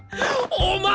お前！